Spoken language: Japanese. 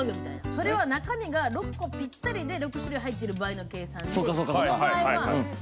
それは中身がぴったりで６種類ある場合の計算で。